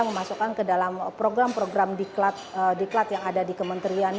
memasukkan ke dalam program program diklat yang ada di kementerian